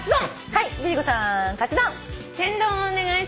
はい。